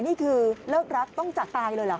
นี่คือเลิกรักต้องจักตายเลยหรือครับ